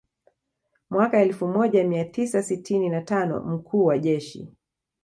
Mwaka elfu moja mia tisa sitini na tano mkuu wa jeshi